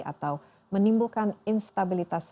atau menimbulkan instabilitas